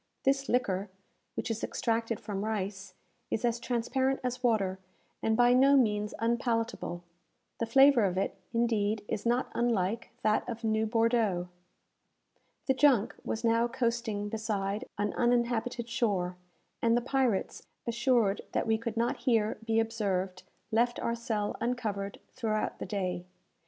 This liquor, which is extracted from rice, is as transparent as water, and by no means unpalatable. The flavour of it, indeed, is not unlike that of new Bordeaux. The junk was now coasting beside an uninhabited shore, and the pirates, assured that we could not here be observed, left our cell uncovered throughout the day.